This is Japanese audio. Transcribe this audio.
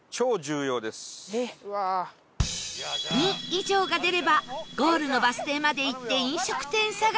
「２」以上が出ればゴールのバス停まで行って飲食店探し